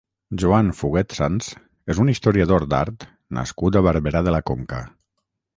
Joan Fuguet Sans és un historiador d'Art nascut a Barberà de la Conca.